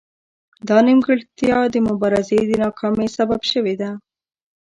دا نیمګړتیا د مبارزې د ناکامۍ سبب شوې ده